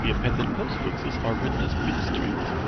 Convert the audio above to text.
The appended postfixes are written as bit strings.